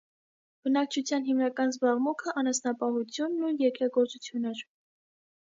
Բնակչության հիմնական զբաղմունքը անասնապահությունն ու երկրագործություն էր։